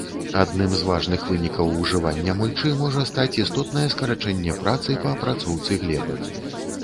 Адным з важных вынікаў ужывання мульчы можа стаць істотнае скарачэнне працы па апрацоўцы глебы.